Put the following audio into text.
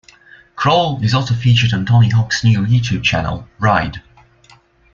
Krall is also featured on Tony Hawk's new YouTube channel, Ride.